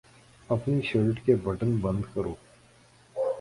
اپنی شرٹ کے بٹن بند کرو